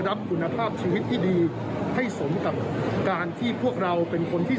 รับคุณภาพชีวิตที่ดีให้สมกับการที่พวกเราเป็นคนที่